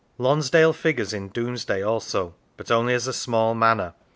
Lonsdale figures in Domesday also, but only as a small manor.